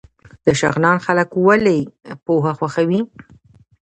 شغنان خلک ولې پوهه خوښوي؟